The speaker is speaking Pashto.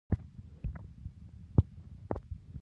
هغه پوښتنه وکړه چې جرمني مرستې ته حاضر دی کنه.